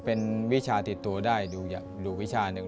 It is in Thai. เป็นวิชาติดตัวได้ดูวิชาหนึ่ง